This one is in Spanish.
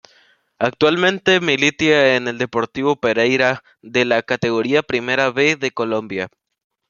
Actualmente milita en el Deportivo Pereira de la Categoría Primera B de Colombia.